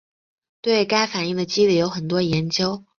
对该反应的机理有很多研究。